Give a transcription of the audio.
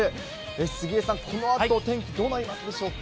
杉江さん、このあと天気、どうなりますでしょうか。